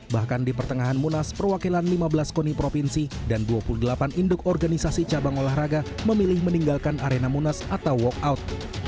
bahkan di pertengahan munas perwakilan lima belas koni provinsi dan dua puluh delapan induk organisasi cabang olahraga memilih meninggalkan arena munas atau walkout